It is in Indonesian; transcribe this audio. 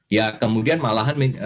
ya kemudian malahan